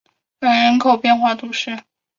凡人口变化图示